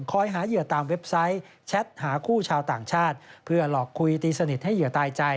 หาเหยื่อตามเว็บไซต์แชทหาคู่ชาวต่างชาติเพื่อหลอกคุยตีสนิทให้เหยื่อตายใจ